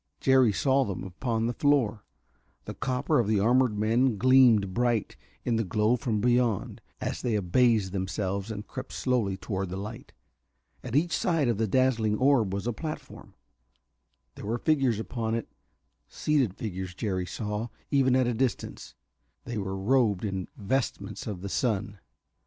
Jerry saw them upon the floor. The copper of the armored men gleamed bright in the glow from beyond, as they abased themselves and crept slowly toward the light. At each side of the dazzling orb was a platform. There were figures upon it, seated figures, Jerry saw, even at a distance, that were robed in vestments of the sun.